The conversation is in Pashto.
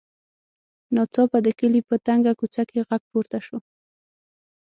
ناڅاپه د کلي په تنګه کوڅه کې غږ پورته شو.